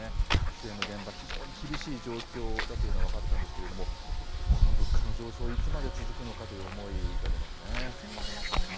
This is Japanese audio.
支援の現場、非常に厳しい状況だというのは分かったんですけれども、この物価の上昇、いつまで続くのかという思いが出ますね。